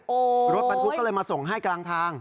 โอ้โหรถบรรทุกก็เลยมาส่งให้กลางทาง